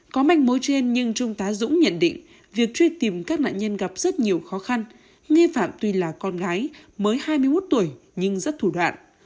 có manh mối trên nhưng trung tá dũng nhận định việc truy tìm các nạn nhân gặp rất nhiều khó khăn nghi phạm tuy là con gái mới hai mươi một tuổi nhưng rất thủ đoạn